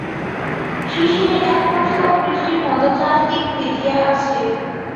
শিশিরে একপশলা বৃষ্টির মতো চারিদিক ভিজিয়া আছে।